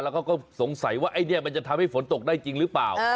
แล้วก็สงสัยว่าไอ้เนี่ยมันจะทำให้ฝนตกได้จริงหรือเปล่า